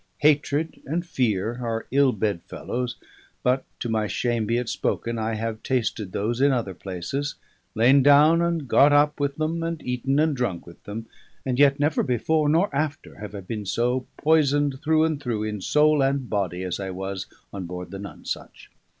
Hatred and fear are ill bed fellows; but (to my shame be it spoken) I have tasted those in other places, lain down and got up with them, and eaten and drunk with them, and yet never before, nor after, have I been so poisoned through and through, in soul and body, as I was on board the Nonesuch.